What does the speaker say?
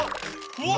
うわ！